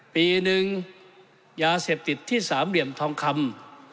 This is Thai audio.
ปีหนึ่งยาเสพติดที่สามเหลี่ยมทองคำ